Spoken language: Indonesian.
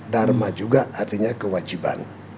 dharma juga artinya kewajiban